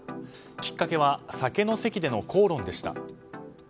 きっかけは酒の席での口論でした。